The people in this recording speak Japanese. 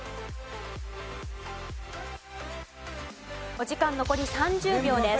お時間残り３０秒です。